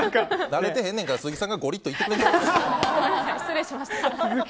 慣れてへんねんから鈴木さんがゴリッといってくださいよ。